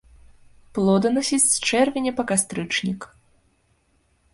Плоданасіць з чэрвеня па кастрычнік.